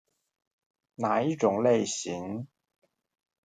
那一種類型